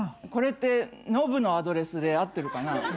「これってノブのアドレスで合ってるかな？」